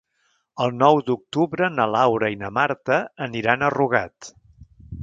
El nou d'octubre na Laura i na Marta aniran a Rugat.